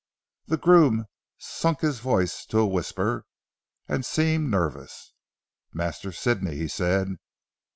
The groom sunk his voice to a whisper, and seemed nervous, "Master Sidney," he said.